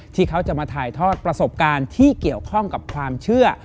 ที่เขาจะมาถ่ายทอดประสบการณ์ที่เกี่ยวข้องกับความเชื่อ